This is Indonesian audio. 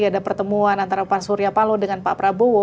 ada pertemuan antara pak surya palo dengan pak prabowo